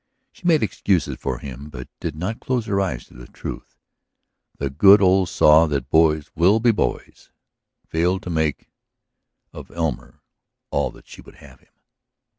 She made excuses for him, but did not close her eyes to the truth. The good old saw that boys will be boys failed to make of Elmer all that she would have him.